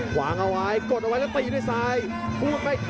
ควางเอาไว